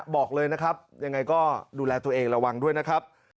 บอกเลยนะครับยังไงก็ดูแลตัวเองระวังด้วยนะครับ